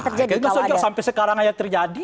terjadi kalau ada kita sudah sampai sekarang aja terjadi